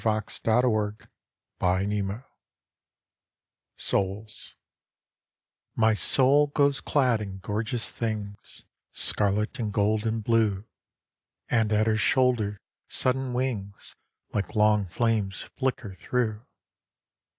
Souls By Fannie Stearns Davis MY soul goes clad in gorgeous things, Scarlet and gold and blue. And at her shoulder sudden wingsLike long flames flicker through.